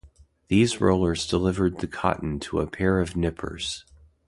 These rollers delivered the cotton to a pair of nippers.